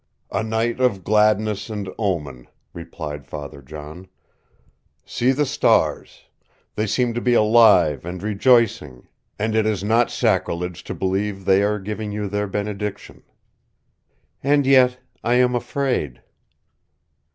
"A night of gladness and omen," replied Father John. "See the stars! They seem to be alive and rejoicing, and it is not sacrilege to believe they are, giving you their benediction." "And yet I am afraid."